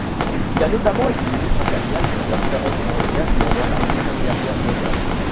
Il a notamment été ministre impérial des affaires étrangères pendant la Première Guerre mondiale.